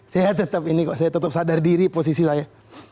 saya tetap ini kok saya tetap sadar diri posisi saya